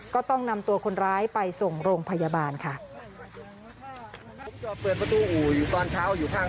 ก็ต้องนำตัวคนร้ายไปส่งโรงพยาบาลค่ะ